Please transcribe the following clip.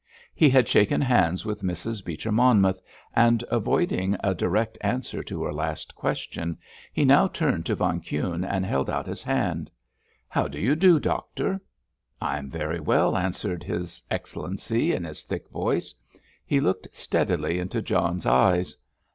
He had shaken hands with Mrs. Beecher Monmouth, and, avoiding a direct answer to her last question, he now turned to von Kuhne and held out his hand. "How do you do, doctor?" "I am very well," answered his Excellency in his thick voice. He looked steadily into John's eyes.